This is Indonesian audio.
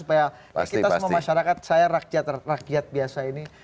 supaya kita semua masyarakat saya rakyat rakyat biasa ini